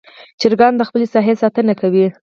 چرګان د خپل ساحې ساتنه کوي.